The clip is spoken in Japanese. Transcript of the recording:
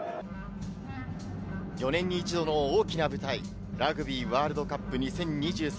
４年に一度の大きな舞台、ラグビーワールドカップ２０２３